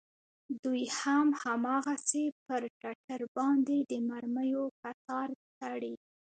دوى هم هماغسې پر ټټر باندې د مرميو کتار تړي.